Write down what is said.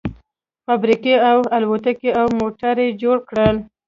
فابريکې او الوتکې او موټر يې جوړ کړل.